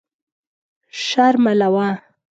شر ملوه.